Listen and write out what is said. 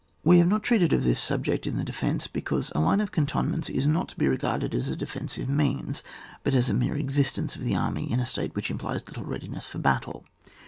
"We have not treated of this subject in the defence, because a line of cantonments is not to be regarded as a defensive means, but as a mere existence of the army in a state which implies little readiness for battle.